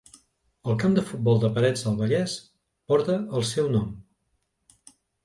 El camp de futbol de Parets del Vallès porta el seu nom.